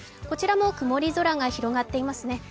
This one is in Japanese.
こちらも曇り空が広がっていますね。